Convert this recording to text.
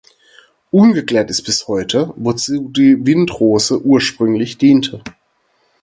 Ungeklärt ist bis heute, wozu die Windrose ursprünglich diente.